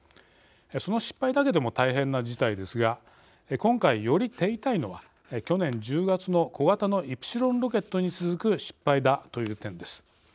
その失敗だけでも大変な事態ですが今回、より手痛いのは去年１０月の小型のイプシロンロケットに続く失敗だという点です。